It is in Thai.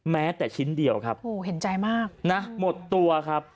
แม้แต่ชิ้นเดียวครับโอ้โหเห็นใจมากนะหมดตัวครับ